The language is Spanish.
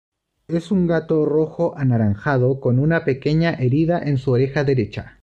Es un gato rojo anaranjado con una pequeña herida en su oreja derecha.